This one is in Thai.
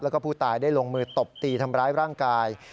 แล้วก็ผู้ตายได้ลงมือตบตีทำร้ายร่างกาย